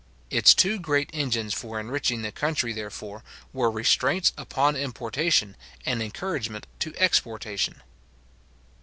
Its two great engines for enriching the country, therefore, were restraints upon importation, and encouragement to exportation.